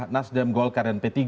nasdem golkar dan p tiga